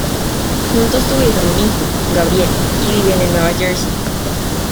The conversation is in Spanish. Juntos tuvieron un hijo, Gabriel, y viven en Nueva Jersey.